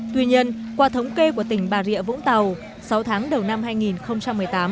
tuy nhiên qua thống kê của tỉnh bà rịa vũng tàu sáu tháng đầu năm hai nghìn một mươi tám